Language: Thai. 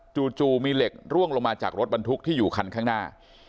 จู่มีเหล็กร่วงลงมาจากรถบรรทุกที่อยู่คันข้างหน้า